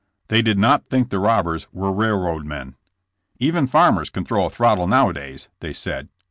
They did not think the robbers were railroad men. *'Even farmers can throw a throttle nowadays," they said.